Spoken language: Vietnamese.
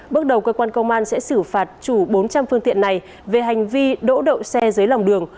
bước đầu cơ quan công an sẽ xử phạt chủ bốn trăm linh phương tiện này về hành vi đỗ đậu xe dưới lòng đường